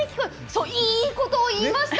いいこと言いました！